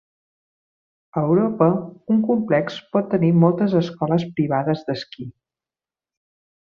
A Europa, un complex pot tenir moltes escoles privades d'esquí.